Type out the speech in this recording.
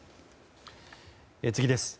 次です。